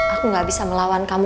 aku gak bisa melawan kamu